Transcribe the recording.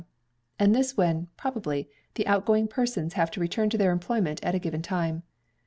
and this when (probably) the outgoing persons have to return to their employment at a given time.